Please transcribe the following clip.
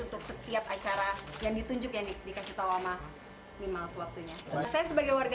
untuk setiap acara yang ditunjukkan dikasih tahu sama mimas waktunya saya sebagai warga